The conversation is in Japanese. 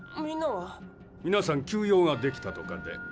みなさん急用ができたとかで。